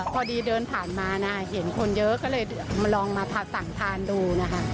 พอดีเดินผ่านมานะเห็นคนเยอะก็เลยมาลองมาสั่งทานดูนะคะ